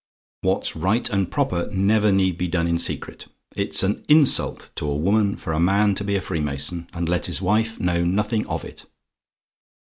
What's right and proper never need be done in secret. It's an insult to a woman for a man to be a freemason, and let his wife know nothing of it.